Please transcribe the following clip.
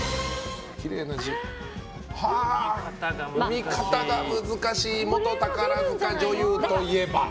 読み方が難しい元宝塚女優といえば。